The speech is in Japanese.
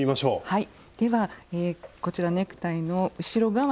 はい。